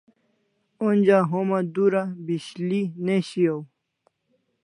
Onja homa dura bishli ne shiau